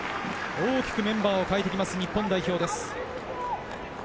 大きくメンバーを変えてきます、日本代表です。